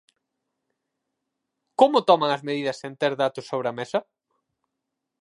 ¿Como toman as medidas sen ter datos sobre a mesa?